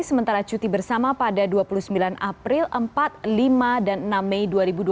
sementara cuti bersama pada dua puluh sembilan april empat lima dan enam mei dua ribu dua puluh